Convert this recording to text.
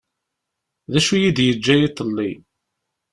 D acu i yi-d-yeǧǧa iḍelli.